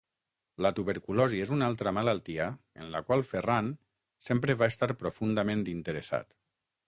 La tuberculosi és una altra malaltia en la qual Ferran sempre va estar profundament interessat.